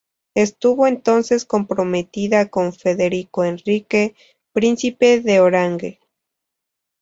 Estuvo entonces comprometida con Federico Enrique, príncipe de Orange.